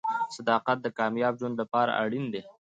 • صداقت د کامیاب ژوند لپاره اړین دی.